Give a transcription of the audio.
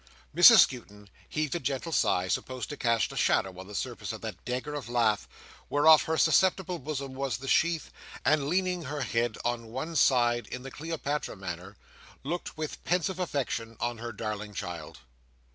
Mrs Skewton heaved a gentle sigh, supposed to cast a shadow on the surface of that dagger of lath, whereof her susceptible bosom was the sheath: and leaning her head on one side, in the Cleopatra manner, looked with pensive affection on her darling child.